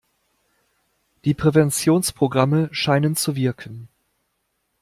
Die Präventionsprogramme scheinen zu wirken.